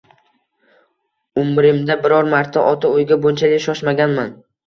Umrimda biror marta ota uyga bunchalik shoshmaganman